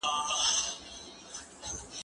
که وخت وي ښوونځی ته ځم